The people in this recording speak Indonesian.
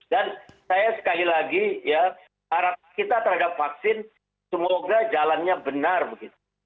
dan saya sekali lagi harap kita terhadap vaksin semoga jalannya benar begitu